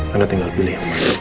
anda tinggal pilih